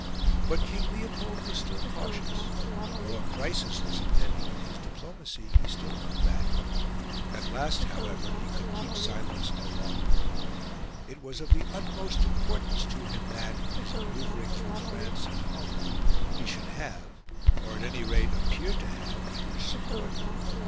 But King Leopold was still cautious; though a crisis was impending in his diplomacy, he still hung back; at last, however, he could keep silence no longer. It was of the utmost importance to him that, in his manoeuvrings with France and Holland, he should have, or at any rate appear to have, English support.